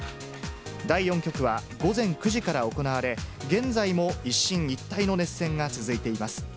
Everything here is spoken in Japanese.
第４局は、午前９時から行われ、現在も一進一退の熱戦が続いています。